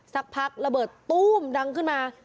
สักพักระเบิดตู้มดังขึ้นมา